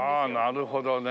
なるほどね。